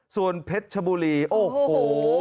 ส่วนเพชรชบุรีโอ้โห